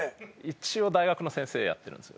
一応大学の先生やってるんです。